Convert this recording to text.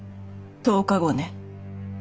１０日後ね。